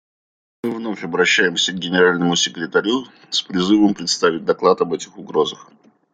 Мы вновь обращаемся к Генеральному секретарю с призывом представить доклад об этих угрозах.